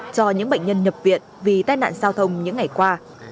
cho những bệnh nhân nhập viện vì tai nạn giao thông những ngày qua